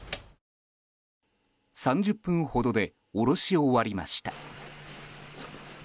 ３０分ほどで下ろし終わりました。